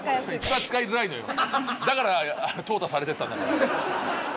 だから淘汰されてったんだから。